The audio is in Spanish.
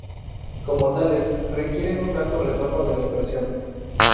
Como tales, requieren un alto retorno de la inversión.